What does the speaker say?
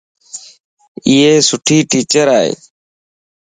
ائي سُٺي ٽيچر ا